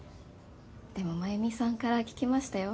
でも繭美さんから聞きましたよ。